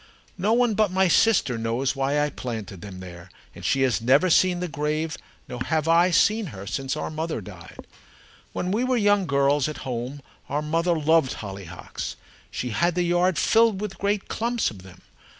No one but my sister knows why I planted them there, and she has never seen the grave, nor have I seen her, since our mother died. When we were young girls at home, our mother loved hollyhocks. She had the yard filled with great clumps of them.